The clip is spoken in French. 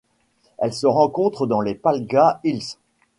Elle se rencontre dans les Palghat Hills.